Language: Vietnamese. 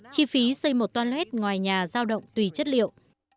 chi phí xây một toilet ngoài nhà giao động tùy chất liệu